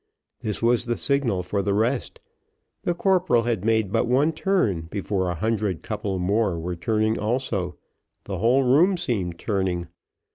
This was the signal for the rest the corporal had made but one turn before a hundred couple more were turning also the whole room seemed turning.